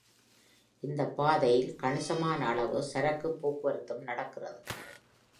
இந்தப் பாதையில் கணிசமான அளவு சரக்குப் போக்குவரத்தும் நடக்கிறது.